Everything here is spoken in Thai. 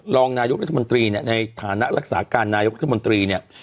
รองนายกรัฐมนตรีเนี่ยในฐานะรักษาการนายกรัฐมนตรีเนี่ย